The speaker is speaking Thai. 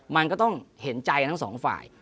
มันก็ต้องเห็นใจทั้งสองฝ่าย